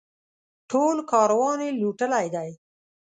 ټول کاروان یې لوټلی دی.